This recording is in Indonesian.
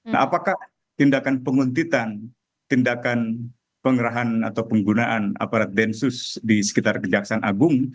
nah apakah tindakan penguntitan tindakan pengerahan atau penggunaan aparat densus di sekitar kejaksaan agung